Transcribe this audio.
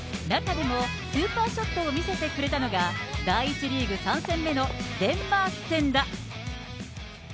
中でもスーパーショットを見せてくれたのが、第１リーグ３戦目のデンマーク戦だ。